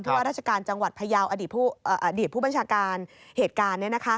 ว่าราชการจังหวัดพยาวอดีตผู้บัญชาการเหตุการณ์